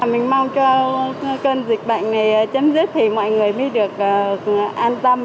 mình mong cho cơn dịch bệnh này chấm dứt thì mọi người mới được an tâm